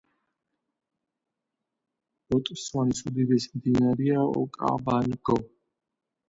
ბოტსვანის უდიდესი მდინარეა ოკავანგო.